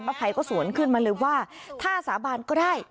ภัยก็สวนขึ้นมาเลยว่าถ้าสาบานก็ได้